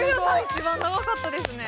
一番長かったですね